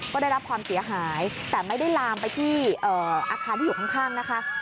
ก็ได้รับความเสียหายแต่ไม่ได้ลามไปที่อาคารที่อยู่ข้างนะคะ